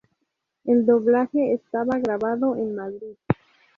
El doblaje estaba grabado en Madrid.